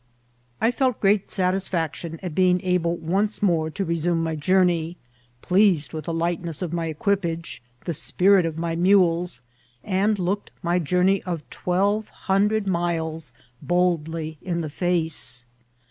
I felt great satisfaction at being able once more to re sume my journey, pleased vrith the lightness of my equipage, the spirit of my mules, and looked my jour ney of twelve hundred miles boldly in the face.